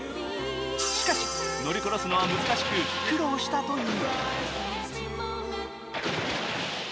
しかし、乗りこなすのは難しく苦労したという。